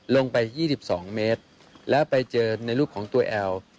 ลงไป๒๒เมตรแล้วไปเจอในรูปของตัวแอล